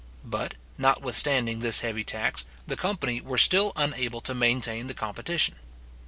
But, notwithstanding this heavy tax, the company were still unable to maintain the competition.